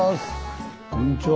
こんにちは。